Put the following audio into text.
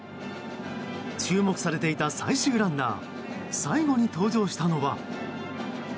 注目されていた最終ランナー最後に登場したのは。